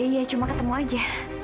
ya cuma ketemu aja